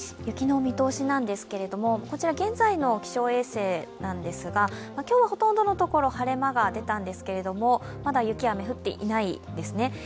雪の見通しなんですけれども、こちらは現在の気象衛星ですが、今日はほとんどのところ、晴れ間が出たんですけれども、まだ雪は降っていないですね。